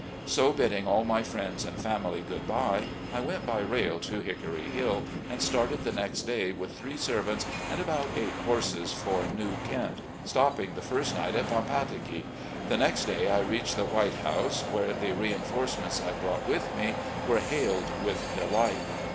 So bidding all my friends and family good bye, I went by rail to "Hickory Hill" and started the next day with three servants and about eight horses for New Kent, stopping the first night at "Pampatike." The next day I reached the White House, where the reinforcements I brought with me were hailed with delight.